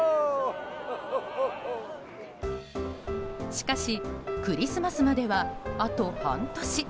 しかし、クリスマスまではあと半年。